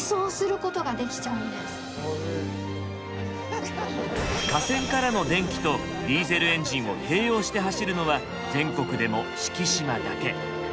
なんともうこの架線からの電気とディーゼルエンジンを併用して走るのは全国でも四季島だけ。